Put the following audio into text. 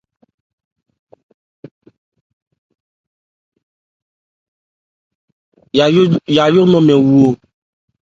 Yajó nɔ̂n mɛn wu o.